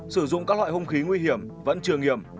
sử dụng các loại hung khí nguy hiểm vẫn trường nghiệm